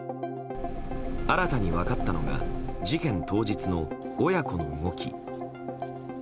新たに分かったのが事件当日の親子の動き。